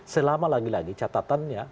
selama lagi lagi catatannya